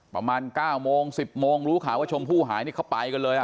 ประมาณ๙โมง๑๐โมงรู้ข่าวว่าชมพู่หายนี่เขาไปกันเลย